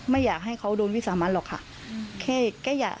ไม่อยากให้เขาโดนวิสามันหรอกค่ะ